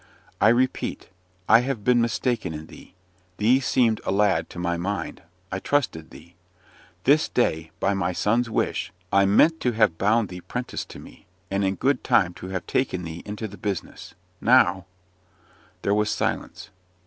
"I repeat, I have been mistaken in thee! Thee seemed a lad to my mind; I trusted thee. This day, by my son's wish, I meant to have bound thee 'prentice to me, and in good time to have taken thee into the business. Now " There was silence.